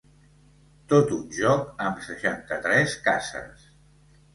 Tot un joc amb seixanta-tres cases.